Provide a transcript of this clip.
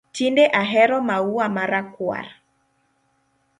Tinde ahero maua ma rakwar